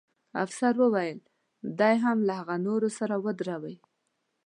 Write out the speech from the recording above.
افسر وویل: دی هم له هغه نورو سره ودروئ.